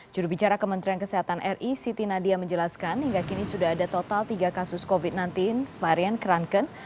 jurubicara kementerian kesehatan ri siti nadia menjelaskan hingga kini sudah ada total tiga kasus covid sembilan belas varian kranken